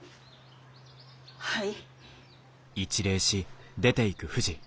はい。